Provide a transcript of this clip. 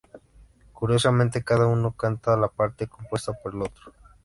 Curiosamente, cada uno canta la parte compuesta por el otro.